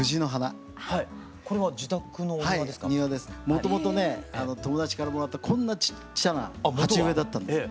もともとね友達からもらったこんなちっちゃな鉢植えだったんです。